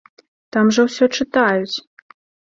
Там жа ўсё чытаюць!